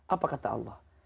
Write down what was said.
apa kata allah